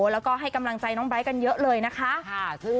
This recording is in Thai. ขอบคุณทุกคนแม่อย่างเต็มที่ส่งให้เธอและครอบครัวด้วย